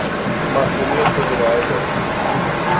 معصومیت کو جگایا ہے